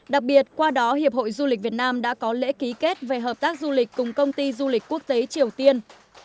đặc biệt qua đó hiệp hội du lịch việt nam đã có lễ ký kết về hợp tác du lịch cùng công ty du lịch quốc tế triều tiên